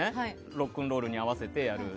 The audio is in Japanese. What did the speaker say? ロックンロールに合わせてやる。